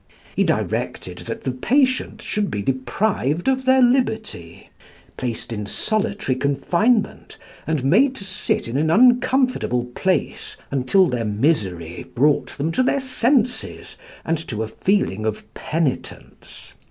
He directed that the patients should be deprived of their liberty; placed in solitary confinement, and made to sit in an uncomfortable place, until their misery brought them to their senses and to a feeling of penitence.